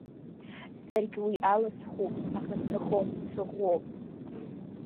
Саргь уи ала схәуп, аха сҭахом, сыӷәӷәоуп.